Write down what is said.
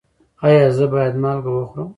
ایا زه باید مالګه وخورم؟